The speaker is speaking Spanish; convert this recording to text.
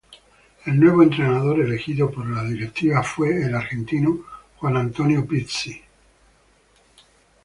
El nuevo entrenador elegido por la directiva fue el argentino Juan Antonio Pizzi.